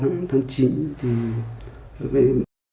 đồng thời ở nhà xung quanh